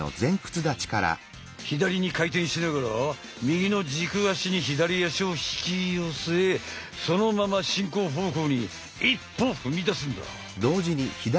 左に回転しながら右の軸足に左足を引き寄せそのまま進行方向に一歩踏み出すんだ。